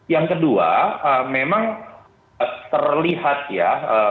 yang kedua memang terlihat ya